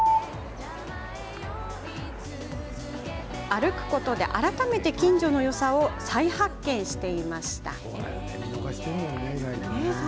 歩くことで改めて近所のよさを再発見していました。